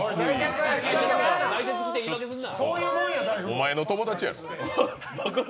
お前の友達やろ。